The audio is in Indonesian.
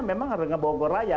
memang dengan bogor raya